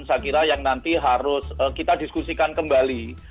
saya kira yang nanti harus kita diskusikan kembali